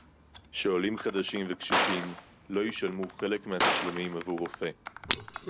שעולים חדשים וקשישים לא ישלמו חלק מהתשלומים עבור רופא